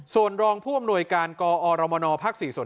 ส่วนรองผู้อำนวยการกอรมนภ๔ส่วน